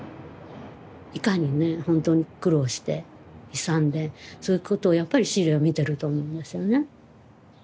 いかにね本当に苦労して悲惨でそういうことをやっぱりシーレは見てると思うんですよね。